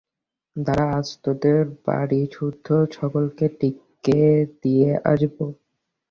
দাড়া আজ তোদের বাড়িসুদ্ধ সকলকে টিকে দিয়ে আসব।